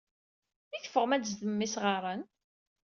I teffɣem ad d-tzedmem isɣaren?